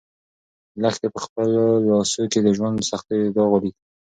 لښتې په خپلو لاسو کې د ژوند د سختیو یو داغ ولید.